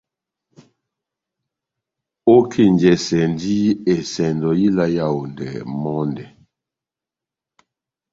Ókenjɛsɛndi esɛndo yá ila ó Yaondɛ mɔndɛ.